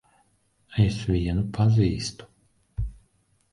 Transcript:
Es vienu pazīstu.